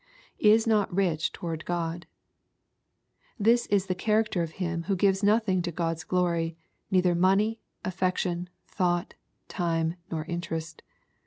[Is not rich toward €hd^ This is the character of him who gives nothing to God's glory, — neither money, affection, thought, time, nor interest.